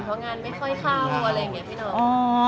เพราะงานไม่ค่อยเข้าอะไรอย่างนี้พี่น้อง